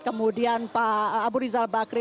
kemudian pak abu rizal bakri